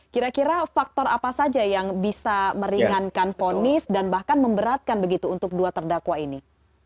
kira kira faktor apa saja yang bisa meringankan ponis dan bahkan memberatkan begitu untuk dua terdakwa ini